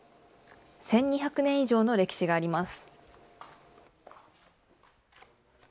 １２００年以上の歴史があります。